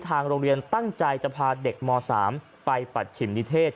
ทางโรงเรียนตั้งใจจะพาเด็กม๓ไปปัจฉิมนิเทศ